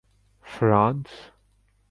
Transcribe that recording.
France